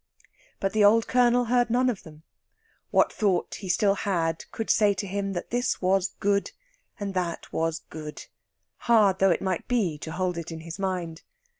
But the old Colonel heard none of them. What thought he still had could say to him that this was good and that was good, hard though it might be to hold it in mind.